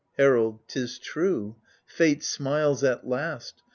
Herald *Tis true ; Fate smiles at last.